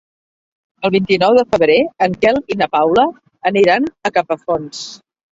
El vint-i-nou de febrer en Quel i na Paula aniran a Capafonts.